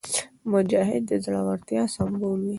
مجاهد د زړورتیا سمبول وي.